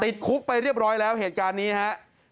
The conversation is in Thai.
ติดคุกไปเรียบร้อยแล้วเหตุการณ์นี้ฮะ